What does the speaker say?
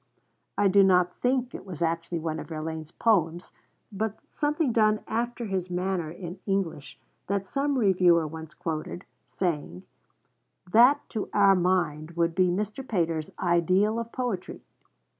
I do not think it was actually one of Verlaine's poems, but something done after his manner in English, that some reviewer once quoted, saying: 'That, to our mind, would be Mr. Pater's ideal of poetry.'